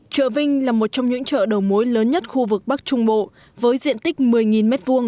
chợ vinh là một trong những chợ đầu mối lớn nhất khu vực bắc trung bộ với diện tích một mươi m hai